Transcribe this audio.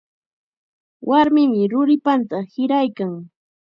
Warmim ruripanta hiraykan.